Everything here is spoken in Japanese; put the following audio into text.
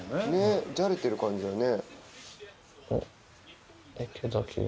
じゃれてる感じだね。